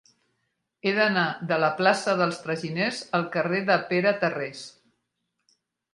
He d'anar de la plaça dels Traginers al carrer de Pere Tarrés.